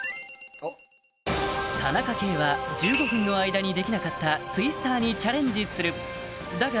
田中圭は１５分の間にできなかった「ツイスター」にチャレンジするだか